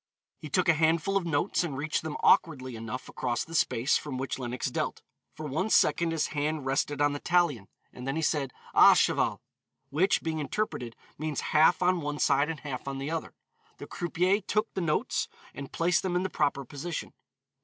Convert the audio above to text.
He took a handful of notes and reached them awkwardly enough across the space from which Lenox dealt; for one second his hand rested on the talion, then he said, "À cheval." Which, being interpreted, means half on one side and half on the other. The croupier took the notes, and placed them in the proper position.